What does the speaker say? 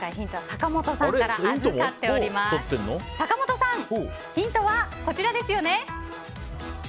坂本さん、ヒントはこちらですよね？